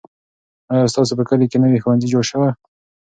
آیا ستاسو په کلي کې نوی ښوونځی جوړ سو؟